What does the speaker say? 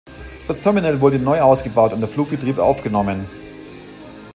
Das Terminal wurde neu ausgebaut und der Flugbetrieb aufgenommen.